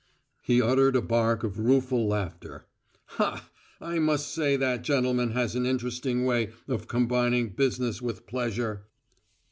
He uttered a bark of rueful laughter. "Ha! I must say that gentleman has an interesting way of combining business with pleasure!"